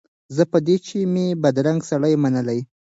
زه په دې چي مي بدرنګ سړی منلی